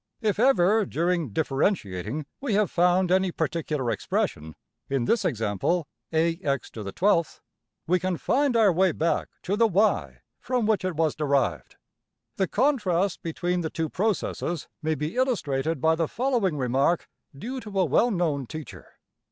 If ever, during differentiating, we have found any particular expression in this example $ax^$ we can find our way back to the~$y$ from which it was derived. The contrast between the two processes may be illustrated by the following remark due to a well known teacher.